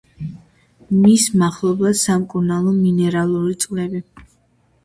მის მახლობლადაა სამკურნალო მინერალური წყლები.